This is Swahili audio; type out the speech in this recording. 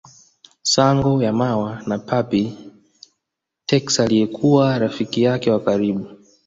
Sango ya mawa ya Papy Texaliyekuwa rafiki yake wa karibu